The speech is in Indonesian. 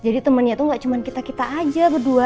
jadi temannya tuh gak cuma kita kita aja berdua